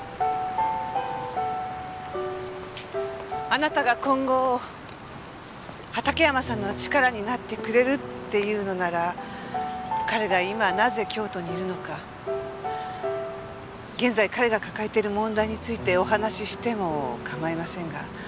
あなたが今後畑山さんの力になってくれるっていうのなら彼が今なぜ京都にいるのか現在彼が抱えている問題についてお話ししても構いませんが。